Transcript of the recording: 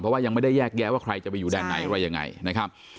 เพราะว่ายังไม่ได้แยกแยะว่าใครจะไปอยู่แดนไหนอะไรยังไงนะครับ